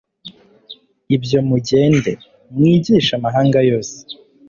IbyoMugende, mwigishe amahanga yose